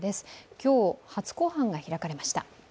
今日、初公判が開かれました。